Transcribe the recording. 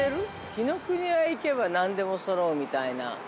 紀ノ国屋へ行けばなんでもそろうみたいな。